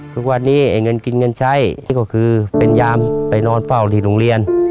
ทุกวันนี้ไอ้เงินกินเงินใช้นี่ก็คือเป็นยามไปนอนเฝ้าที่โรงเรียน